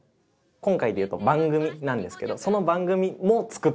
今回でいうと番組なんですけどその番組も作ってるんですね。